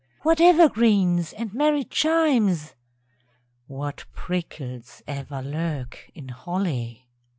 _) What evergreens and merry chimes! (_What prickles ever lurk in holly!